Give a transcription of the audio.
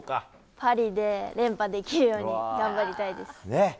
パリで連覇できるように頑張りたいです。